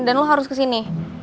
dan lo harus kesini